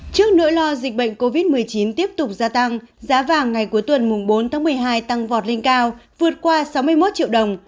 trước nỗi lo dịch bệnh covid một mươi chín tiếp tục gia tăng giá vàng ngày cuối tuần bốn tháng một mươi hai tăng vọt lên cao vượt qua sáu mươi một triệu đồng